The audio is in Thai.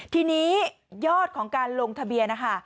ทีนี้ยอดของการลงทะเบียนนะคะ